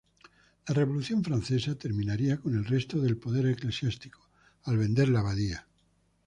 La Revolución francesa terminaría con el resto del poder eclesiástico al vender la abadía.